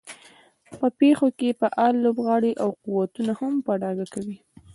په پېښو کې فعال لوبغاړي او قوتونه هم په ډاګه کوي.